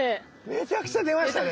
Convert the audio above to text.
めちゃくちゃ出ましたね。